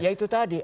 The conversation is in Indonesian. ya itu tadi